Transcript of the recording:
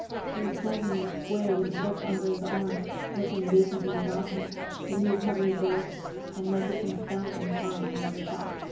He was standing in the Square with a book under his arm looking vacantly about him. That he was heavily built and might become stout in time was a fact.